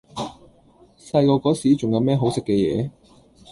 細個嗰時仲有咩好食嘅野？